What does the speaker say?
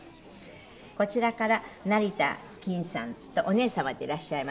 こちらから成田きんさんお姉様でいらっしゃいます。